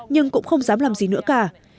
nhưng cũng không dám làm gì nữa cả